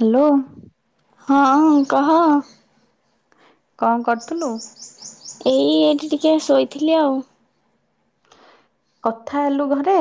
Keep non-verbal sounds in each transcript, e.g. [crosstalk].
Hello. ହଁ କହ। କଣ କରୁଥିଲୁ? ଏଇ ଏଠି ଟିକେ ଶୋଇଥିଲି ଆଉ। କଥା ହେଲୁ ଘରେ?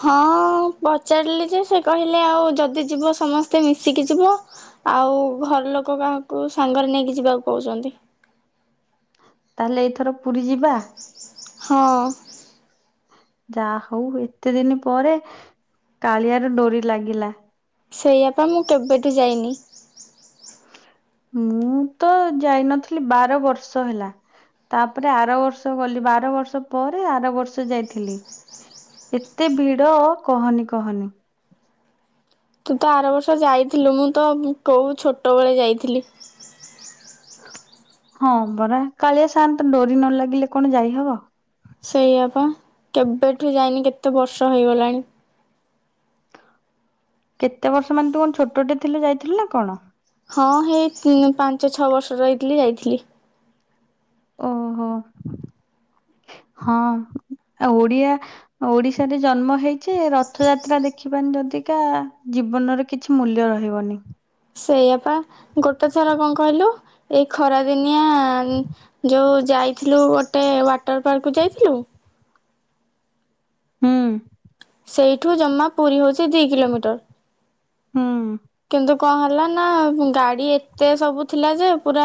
ହଁ ପଚାରିଲି ଯେ ସେ କହିଲେ ଆଉ ଯଦି ଯିବ ସମସ୍ତେ ମିଶିକି ଯିବ। ଆଉ ଘର ଲୋକ କାହାକୁ ସାଙ୍ଗରେ ନେଇକି ଯିବାକୁ କଉଛନ୍ତି। ତାହେଲେ ଏଇଥର ପୁରୀ ଯିବା? ହଁ ଯା ହଉ ଏତେ ଦିନି ପରେ କାଳିଆର ଡୋରି ଲାଗିଲା ଶୋଇଆ ପା ମୁଁ କେବେଠୁ ଯାଇନି ମୁଁ ତ ଯାଇନଥିଲି ବାର ବର୍ଷ ହେଲା ତାପରେ ଆର ବର୍ଷ ଗଲି ବାର ବର୍ଷ ପରେ ଆର ବର୍ଷ ଯାଇଥିଲି ଏତେ ଭିଡ କହନି କହନି ତୁ ତ ଆର ବର୍ଷ ଯାଇଥିଲୁ ମୁଁ ତ କୋଉ ଛୋଟବେଳେ ଯାଇଥିଲି ହଁ ପରା କାଳିଆ ସାଆନ୍ତ ଡୋରି ନ ଲାଗିଲେ କଣ ଯାଇହବ ସେଇଆ ପା କେବେଠୁ ଯାଇନି କେତେ ବର୍ଷ ହେଇଗଲାଣି କେତେ ବର୍ଷ ମାନେ ତୁ କଣ ଛୋଟଟେ ଥିଲୁ ଯାଇଥିଲୁ ନା କଣ ହଁ ହେଇ ପାଞ୍ଚ ଛଅ ବର୍ଷର ହେଇଥିଲି ଯାଇଥିଲି ଓହୋ ହଁ ଆଉ ଓଡିଆ ଓଡିଶାରେ ଜନ୍ମ ହେଇଛେ ରଥଯାତ୍ରା ଦେଖିବାନି ଯଦି କା ଜୀବନରେ କିଛି ମୂଲ୍ୟ ରହିବନି ସେଇଆପା ଗୋଟେ ଥର କଣ କହିଲୁ ଏଇ ଖରାଦିନିଆ ଯେଉଁ ଯାଇଥିଲୁ ଗୋଟେ ୱାଟର ପାର୍କକୁ ଯାଇଥିଲୁ ହୁ ସେଇଠୁ ଜମା ପୁରୀ ହେଉଛି ଦୁଇ କିଲୋମିଟର ହୁଁ କିନ୍ତୁ କଣ ହେଲା ନା ଗାଡି ଏତେ ସବୁ ଥିଲା ଯେ ପୁରା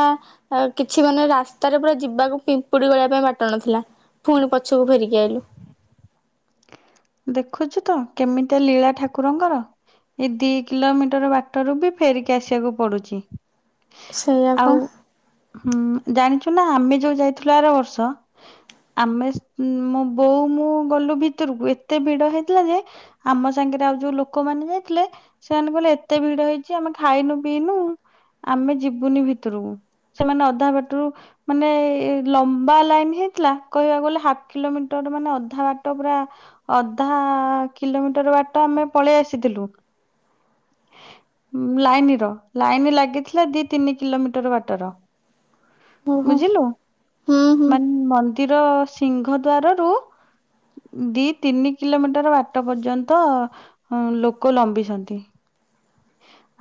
ଆ କିଛି ମାନେ ରାସ୍ତାରେ ପୁରା ଯିବାକୁ ପିମ୍ପୁଡି ଗଲିବା ପାଇଁ ବାଟ ନଥିଲା ପୁଣି ପଛକୁ ଫେରିକି ଆଇଲୁ ଦେଖୁଛୁ ତ କେମିତି ଲୀଳା ଠାକୁରଙ୍କର ଏଇ ଦି କିଲୋମିଟର ବାଟରୁ ବି ଫେରିକି ଆସିବାକୁ ପଡୁଛି ସେଇଆପା ଆଉ ହୁଁ ଜାଣିଛୁ ନା ଆମେ ଯୋଉ ଯାଇଥିଲୁ ଆର ବର୍ଷ ଆମେ ମୋ ବୋଉ ମୁଁ ଗଲୁ ଭିତରକୁ ଏତେ ଭିଡ ହେଇଥିଲା ଯେ ଆମ ସାଙ୍ଗରେ ଆଉ ଯୋଉ ଲୋକମାନେ ଯାଇଥିଲେ ସେମାନେ କହିଲେ ଏତେ ଭିଡ ହେଇଛି ଆମେ ଖାଇନୁ ପିଇନୁ ଆମେ ଯିବୁନି ଭିତରକୁ ସେମାନେ ଅଧା ବାଟରୁ ମାନେ ଲମ୍ବା ଲାଇନ ହେଇଥିଲା କହିବାକୁ ଗଲେ ହାଫ କିଲୋମିଟର ମାନେ ଅଧା ବାଟ ପୁରା ଅଧା କିଲୋମିଟର ବାଟ ଆମେ ପଳେଇ ଆସିଥିଲୁ ଲାଇନ ର ଲାଇନ ଲାଗିଥିଲା ଦି ତିନି କିଲୋମିଟର ବାଟର ଓହୋ ବୁଝିଲୁ ହୁଁ ହୁଁ ମାନେ ମନ୍ଦିର ସିଂହ ଦ୍ୱାରରୁ ଦି ତିନି କିଲୋମିଟର ବାଟ ପର୍ଯ୍ୟନ୍ତ ଲୋକ ଲମ୍ବିଛନ୍ତି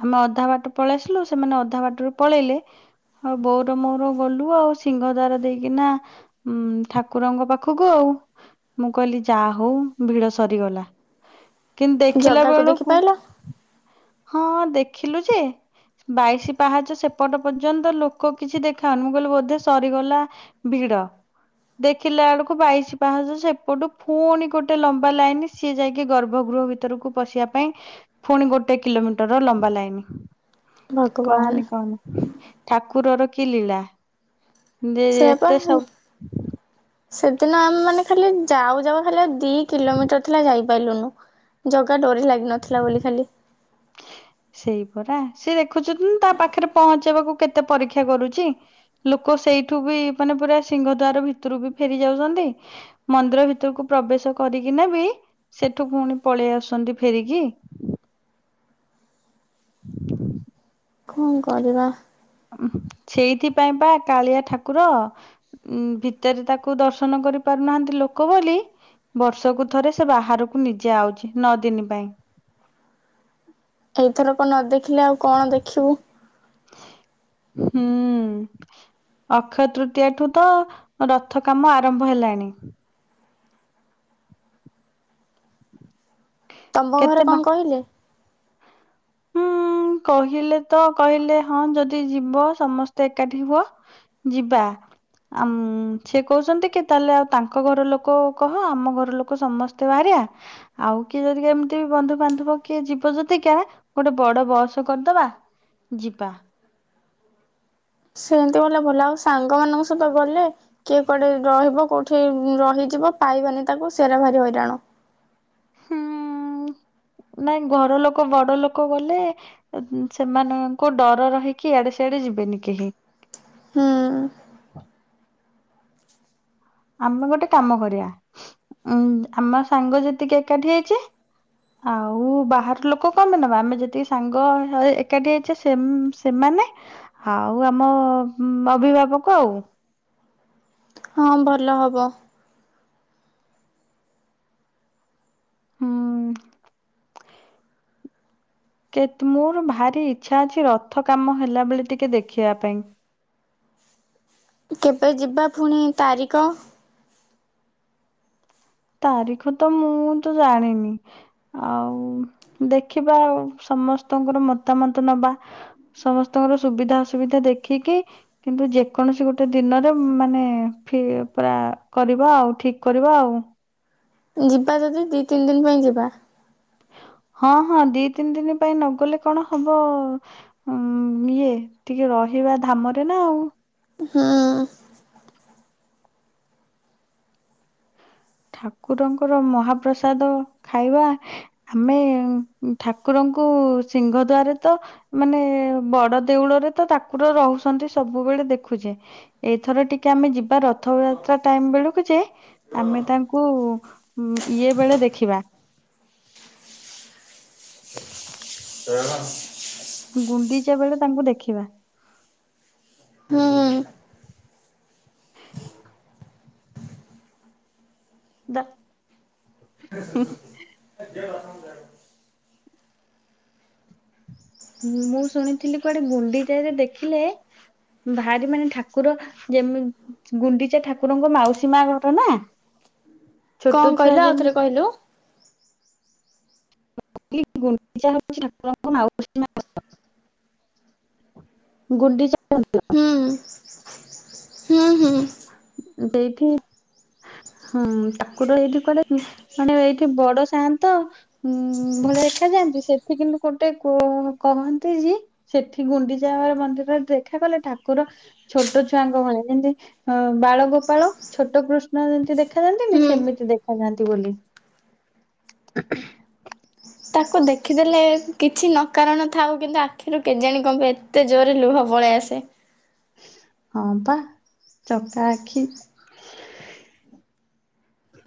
ଆମେ ଅଧା ବାଟ ପଳେଇସିଲୁ ସେମାନେ ଅଧା ବାଟରୁ ପଳେଇଲେ ହଉ ବୋଉର ମୋର ଗଲୁ ଆଉ ସିଂହ ଦ୍ୱାର ଦେଇକିନା ଉୁଁ ଠାକୁରଙ୍କ ପାଖକୁ ଆଉ ମୁଁ କହିଲି ଯାହା ହଉ ଭିଡ ସରିଗଲା କିନ୍ତୁ ଦେଖିଲା ଜଗାକୁ ଦେଖି ବେଳକୁ ପାଇଲ ହଁ ଦେଖିଲୁ ଯେ ବାଇଶି ପାହାଚ ସେପଟ ପର୍ଯ୍ୟନ୍ତ ଲୋକ କିଛି ଦେଖାଉନି ମୁଁ କହିଲି ବୋଧେ ସରିଗଲା ଭିଡ଼। ଦେଖିଲା ବେଳକୁ ବାଇଶି ପାହାଚ ସେପଟୁ ଫୁଣି ଗୋଟେ ଲମ୍ବା ଲାଇନ ସିଏ ଯାଇକି ଗର୍ଭ ଗୃହ ଭିତରକୁ ପଶିବା ପାଇଁ ଫୁଣି ଗୋଟେ କିଲୋମିଟର ଲମ୍ବା ଲାଇନ ଭଗବାନ କହନି କହନି ଠାକୁରର କି ଲୀଳା ଯେ ସେଆପା ଏତେ ସବୁ ସେଦିନ ଆମେ ମାନେ ଖାଲି ଯାଉ ଯାଉ ଖାଲି ଆଉ ଦି କିଲୋମିଟର ଥିଲା ଯାଇପାରିଲୁନୁ ଜଗା ଡୋରି ଲାଗିନଥିଲା ବୋଲି ଖାଲି ସେଇ ପରା ସେ ଦେଖୁଛନ୍ତି ତା ପାଖରେ ପହଞ୍ଚେଇବାକୁ କେତେ ପରୀକ୍ଷା କରୁଛି ଲୋକ ସେଇଠୁ ବି ମାନେ ପୁରା ସିଂହ ଦ୍ୱାର ଭିତରୁ ବି ଫେରି ଯାଉଛନ୍ତି। ମନ୍ଦିର ଭିତରକୁ ପ୍ରବେଶ କରିକିନା ବି ସେଠୁ ପୁଣି ପଳେଇ ଆସନ୍ତି ଫେରିକି କଣ କରିବା ସେଇଥିପାଇଁ ପା କାଳିଆ ଠାକୁର ଉ ଭିତରେ ତାକୁ ଦର୍ଶନ କରି ପାରୁନାହାନ୍ତି ଲୋକ ବୋଲି ବର୍ଷକୁ ଥରେ ସେ ବାହାରକୁ ନିଜେ ଆଉଛି ନଅ ଦିନ ପାଇଁ ତ‌ ଏଇଥରକ ନ ଦେଖିଲେ ଆଉ କଣ ଦେଖିବୁ? ହୁଁ। ଅକ୍ଷୟ ତୃତୀୟା ଠୁ ତ ରଥ କାମ ଆରମ୍ଭ ହେଲାଣି ତମ ଘରେ କେତେ ବା କଣ କହିଲେ? ହୁଁ କହିଲେ ତ କହିଲେ ହଁ ଯଦି ଯିବ ସମସ୍ତେ ଏକାଠି ହୁଅ ଯିବା। ଆ ସେ କହୁଛନ୍ତି କି ତାହେଲେ ଆଉ ତାଙ୍କ ଘର ଲୋକ କହ ଆମ ଘର ଲୋକ ସମସ୍ତେ ବାହାରିଆ ଆଉ କିଏ ଯଦି ଏମିତି ବି ବନ୍ଧୁ ବାନ୍ଧବ କିଏ ଯିବ ଯଦି କା ଗୋଟେ ବଡ଼ ବସ୍ କରିଦେବା ଯିବା। ସେମିତି ଗଲେ ଭଲ ଆଉ ସାଙ୍ଗ ମାନଙ୍କ ସହିତ ଗଲେ କିଏ କୁଆଡେ ରହିବ କୋଉଠି ରହିଯିବ ପାଇବାନି ତାକୁ ସେରା ଭାରି ହଇରାଣ ହୁଁ ନାଇଁ ଘର ଲୋକ ବଡ ଲୋକ ଗଲେ ସେମାନଙ୍କ ଡର ରହିକି ଇଆଡେ ସେଆଡେ ଯିବେନି କେହି ହୁଁ ଆମେ ଗୋଟେ କାମ କରିବା ଉଁ ଆମ ସାଙ୍ଗ ଯେତିକି ଏକାଠି ହେଇଛେ ଆଉ ବାହାର ଲୋକ କଣ ପାଇଁ ନେବା ଆମେ ଯେତିକି ସାଙ୍ଗ ଏକାଠି ହେଇଛେ ସେ ସେମାନେ ଆଉ ଆମ ଅଭିଭାବକ ଆଉ ହଁ ଭଲ ହବ। ହଁ। କେ ମୋର ଭାରି ଇଛା ଅଛି ରଥ କାମ ହେଲା ବଳେ ଟିକେ ଦେଖିବା ପାଇଁ କେବେ ଯିବା ଫୁଣି ତାରିଖ ତାରିଖ ତ ମୁଁ ତ ଜାଣିନି ଆଉ ଦେଖିବା ସମସ୍ତଙ୍କର ମତାମତ ନବା ସମସ୍ତଙ୍କର ସୁବିଧା ଅସୁବିଧା ଦେଖିକି କିନ୍ତୁ ଯେକୌଣସି ଗୋଟେ ଦିନରେ ମାନେ ପା କରିବା ଆଉ ଠିକ କରିବା ଆଉ ଯିବା ଯଦି ଦି ତିନି ଦିନ ପାଇଁ ଯିବା? ହଁ ହଁ ଦି ତିନି ଦିନ ପାଇଁ ନଗଲେ କଣ ହବ ହଁ ଇଏ ଟିକେ ରହିବା ଧାମରେ ନା ଆଉ ହଁ। ଠାକୁରଙ୍କର ମହାପ୍ରସାଦ ଖାଇବା ଆମେ ଠାକୁରଙ୍କୁ ସିଂହଦ୍ଵାରରେ ତ ମାନେ ବଡ ଦେଉଳରେ ତ ତାକୁର ରହୁଛନ୍ତି ସବୁବେଳେ ଦେଖୁଚେ। ଏଇଥର ଟିକେ ଆମେ ଯିବା ରଥଯାତ୍ରା ଟାଇମ ବେଳକୁ ଯେ ଆମେ ତାଙ୍କୁ ଇଏ ବେଳେ ଦେଖିବା। [unintelligible] ଗୁଣ୍ଡିଚା ବେଳେ ତାଙ୍କୁ ଦେଖିବା। ହୁଁ। ଦା [unintelligible] ମୁଁ ଶୁଣିଥିଲି କୁଆଡେ ଗୁଣ୍ଡିଚା ରେ ଦେଖିଲେ ଭାରି ମାନେ ଠାକୁର ଯେମି ଗୁଣ୍ଡିଚା ଠାକୁରଙ୍କ ମାଉସି ମା ଘର ନା। ଛୋଟ କଁ ଛୁଆ କହିଲ ଆଉ ଥରେ ଯେମିତି କହିଲୁ? ମୁଁ କହିଲି ଗୁଣ୍ଡିଚା ହୋଉଚି ଠାକୁର ଙ୍କ ମାଉସୀ ମା ମନ୍ଦିର। ଗୁଣ୍ଡିଚା ମନ୍ଦିର। ହୁଁ। ହୁଁ ହୁଁ ଦେଇଠି। ହୁଁ ଠାକୁର ଏଇଠି କୁଆଡେ ମାନେ ଏଇଠି ବଡ ସାଆନ୍ତ। ଉଁ ଭଳିଆ ଦେଖା ଯାଆନ୍ତି ସେ ଠୀ କିନ୍ତୁ ଗୋଟେ କ କହନ୍ତି ଯେ ସେଠି ଗୁଣ୍ଡିଚାର ମନ୍ଦିର ଦେଖା ଗଲେ ଠାକୁର ଛୋଟ ଛୁଆଙ୍କ ଭଳି ଯେମିତି ଅ ବାଳଗୋପାଳ ଛୋଟ କୃଷ୍ଣ ଦେଖା ଯାଆନ୍ତିନି, ହୁଁ। ସେମିତି ଦେଖାଯାଆନ୍ତି ବୋଲି। ତାକୁ ଦେଖିଦେଲେ କିଛି ନ କାରଣ ଥାଉ କିନ୍ତୁ ଆଖିରେ କେଜାଣି କଣ ପାଇଁ ଏତେ ଜୋରରେ ଲୁହ ପଳେଇ ଆସେ। ହଁ ପା, ଚକା ଆଖି।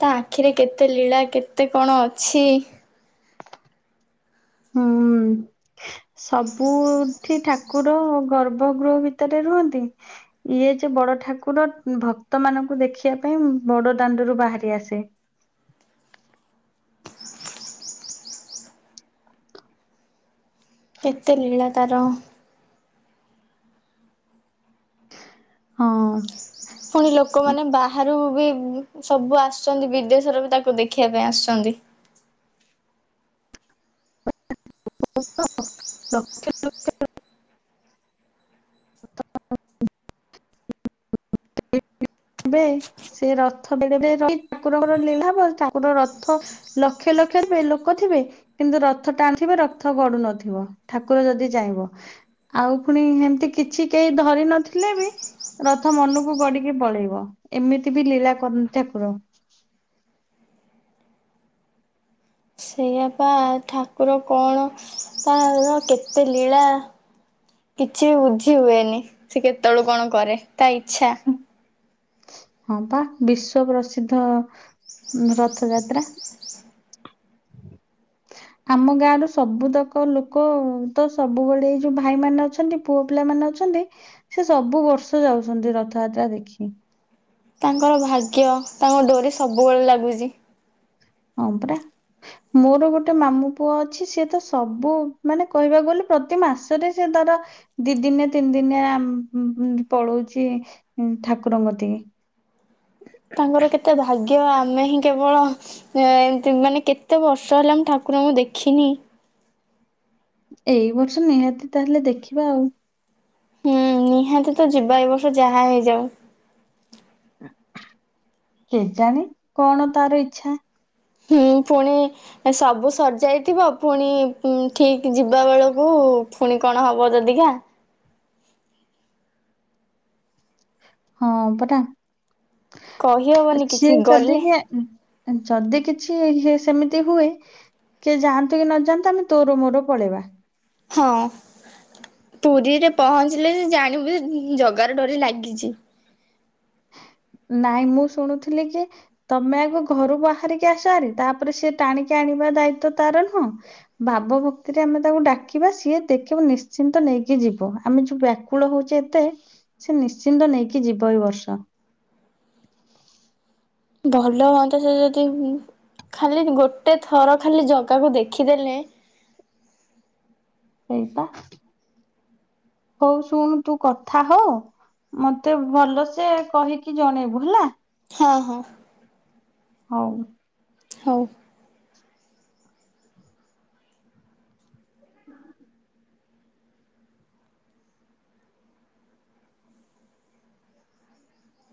ତା ଆଖିରେ କେତେ ଲୀଳା କେତେ କଣ ଅଛି। ହୁଁ, ସବୁ ଏଠି ଠାକୁର ଗର୍ଭ ଗୃହ ଭିତରେ ରୁହନ୍ତି। ଇଏ ଯେ ବଡ ଠାକୁର ଭକ୍ତ ମାନଙ୍କୁ ଦେଖିବା ପାଇଁ ବଡ ଦାଣ୍ଡରୁ ବାହାରି ଆସେ। କେତେ ଲୀଳା ତାର। ହଁ। ପୁଣି ଲୋକମାନେ ବାହାରୁ ବି ସବୁ ଆସୁସନ୍ତି, ବିଦେଶରୁ ବି ତାକୁ ଦେଖିବା ପାଇଁ ଆସୁଚନ୍ତି। [unintelligible] [unintelligible] [unintelligible] ସେ ରଥ ବି ରହି ଠାକୁରଙ୍କର ଲୀଳାହବ ଠାକୁର ରଥ ଲକ୍ଷ ଲକ୍ଷ ଲୋକ ଥିବେ। କିନ୍ତୁ ରଥ ଟାଣୁଥିବେ ରଥ ଗଡୁ ନଥିବ ଠାକୁର ଯଦି ଚାହିଁବ। ଆଉ ଫୁଣି ହେମିତି କିଛି କେହି ଧରି ନଥିଲେ ବି ତାମନକୁ ଗଡିକି ପଳେଇବ, ଏମିତି ବି ଲୀଳା କରନ୍ତି ଠାକୁର। ସେଇଆ ପା ଠାକୁର କଣ ତାର କେତେ ଲୀଳା। କିଛି ବି ବୁଝି ହୁଏନି ସେ କେତେବେଳେ କଣ କରେ ତା ଇଚ୍ଛା। ହଁ ପା ବିଶ୍ଵ ପ୍ରସିଦ୍ଧ ରଥଯାତ୍ରା। [inaudible] ଆମ ଗାଁ ର ସବୁତକ ଲୋକ ତ ସବୁବେଳେ ଏଇ ଯୋଉ ଭାଇମାନେ ଅଛନ୍ତି। ପୁଅ ପିଲାମାନେ ଅଛନ୍ତି, ସେ ସବୁ ବର୍ଷ ଯାଉଛନ୍ତି ରଥଯାତ୍ରା ଦେଖି। ତାଙ୍କର ଭାଗ୍ୟ ତାଙ୍କ ଡୋରି ସବୁବେଳେ ଲାଗୁଚି। ହଁ ପରା। ମୋର ଗୋଟେ ମାମୁ ପୁଅ ଅଛି ସିଏ ତ ସବୁ ମାନେ କହିବାକୁ ଗଲେ ପ୍ରତି ମାସରେ ସେ ତାର ଦି ଦିନେ ତିନି ଦିନିଆ ପଳଉଛି ଠାକୁରଙ୍କ କତିକି। ତାଙ୍କର କେତେ ଭାଗ୍ୟ ଆମେ ହିଁ କେବଳ ଏମିତି ମାନେ କେତେ ବର୍ଷ ହେଲା ମୁଁ ଠାକୁରଙ୍କୁ ଦେଖିନି। ଏଇ ବର୍ଷ ନିହାତି ତାହେଲେ ଦେଖିବା ଆଉ। ହୁଁ ନିହାତି ତ ଯିବା ଏ ବର୍ଷ ଯାହା ହେଇଯାଉ। କେଜାଣି କଣ ତାର ଇଛା। ହୁଁ ପୁଣି ସବୁ ସରିଯାଇଥିବ ପୁଣି ଠିକ୍ ଯିବା ବେଳକୁ ପୁଣି କଣ ହବ ଜଦିିକା। ହଁ ପରା କହିହବନି କିଛି ସିଏ ଯଦି ଗଲେ ବେ ଯଦି କିଛି ଇଏ ସେମିତି ହୁଏ। କିଏ ଯାଆନ୍ତୁ କି ନ ଯାଆନ୍ତୁ ଆମେ ତୋର ମୋର ପଳେଇବା। ହଁ ପୁରୀରେ ପହଞ୍ଚିଲେ ଯେ ଜାଣିବୁ ଜଗାର ଡୋରି ଲାଗିଚି। ନାଇଁ ମୁଁ ଶୁଣୁଥିଲି କି। ତମେ ଆଗ ଘରୁ ବାହାରିକି ଆସହରି ତାପରେ ସେ ଟାଣିକି ଆଣିବା ଦାୟିତ ତାର ନୁହଁ। ଭାବ ଭକ୍ତିରେ ଆମେ ତାକୁ ଡାକିବା ସିଏ ଦେଖିବୁ ନିଶ୍ଚିନ୍ତ ନେଇକି ଯିବ ଆମେ ଯିବା। ବ୍ୟାକୁଳ ହଉଛି ଏତେ ସେ ନିଶ୍ଚିନ୍ତ ନେଇକି ଯିବ ଏଇ ବର୍ଷ। ଭଲ ହୁଅନ୍ତା ସେ ଯଦି ଖାଲି ଗୋଟେ ଥର ଖାଲି ଜଗାକୁ ଦେଖିଦେଲେ। ସେଇପା ହଉ ଶୁଣ ତୁ କଥା ହଅ। ମତେ ଭଲସେ କହିକି ଜଣେଇବୁ ହେଲା। ହଁ ହଁ। ହଉ। ହଉ। [inaudible]